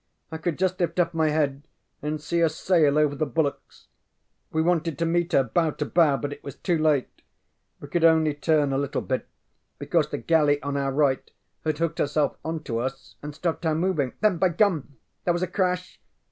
I could just lift up my head and see her sail over the bulwarks. We wanted to meet her bow to bow, but it was too late. We could only turn a little bit because the galley on our right had hooked herself on to us and stopped our moving. Then, by gum! there was a crash!